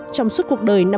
trong suốt cuộc đời